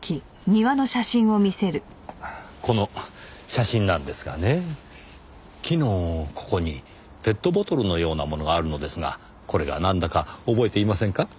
この写真なんですがね木のここにペットボトルのようなものがあるのですがこれがなんだか覚えていませんか？